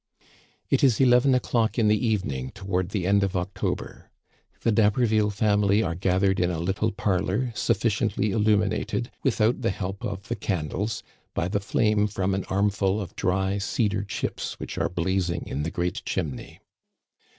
It is eleven o'clock in the evening, toward the end of October. The D'Haberville family are gathered in a little parlor sufficiently illuminated, without the help of the candles, by the flame from an armful of dry cedar chips which are blazing in the great chimney.